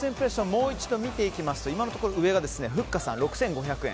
もう一度見ていきますと今のところ上がふっかさん６５００円。